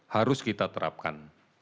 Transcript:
harus kita terapkan